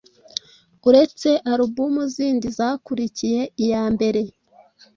uretse Album zindi zakurikiye iya mbere,